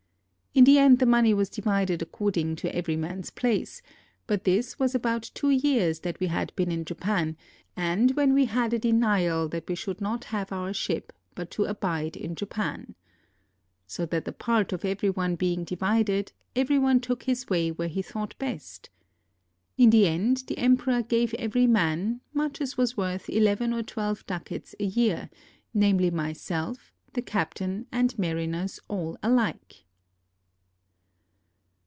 In the end the money was divided according to every man's place ; but this was about two years that we had been in Japan, and when we had a denial that we should not have our ship, but to abide in Japan. So that the part of every one being divided, every one took his way where he thought best. In the end, the emperor gave every man, much as was worth eleven or twelve ducats a year, namely, myself, the captain, and mariners all alike.